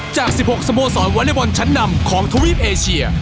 จาก๑๖สโมสรวอเล็กบอลชั้นนำของทวีปเอเชีย